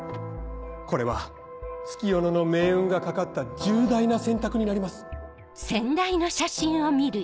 これは月夜野の命運が懸かった重大な選択になります。